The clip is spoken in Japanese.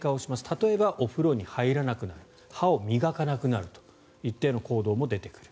例えば、お風呂に入らなくなる歯を磨かなくなるといったような行動も出てくる。